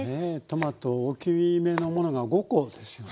トマト大きめのものが５コですよね。